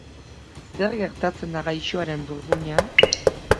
Zer gertatzen da gaixoaren burmuinean?